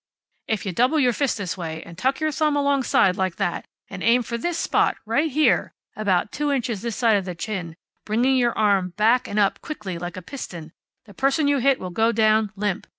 "If you double your fist this way, and tuck your thumb alongside, like that, and aim for this spot right here, about two inches this side of the chin, bringing your arm back and up quickly, like a piston, the person you hit will go down, limp.